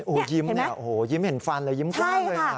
โอ้ยยิ้มเห็นฟันแล้วยิ้มกล้าเลย